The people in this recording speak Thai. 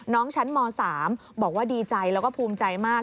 น้องชั้นม๓บอกว่าดีใจแล้วก็ภูมิใจมาก